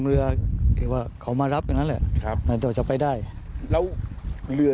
เพราะว่ามันประเทศเขาใช่ไหม